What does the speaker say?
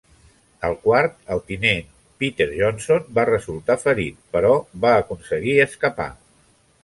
El quart, el tinent Peter Johnson, va resultar ferit, però va aconseguir escapar.